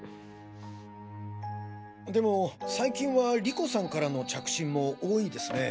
でも最近は莉子さんからの着信も多いですね。